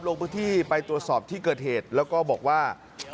ลงพื้นที่ไปตรวจสอบที่เกิดเหตุแล้วก็บอกว่า